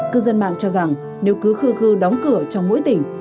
cư dân mạng cho rằng nếu cứ khư đóng cửa trong mỗi tỉnh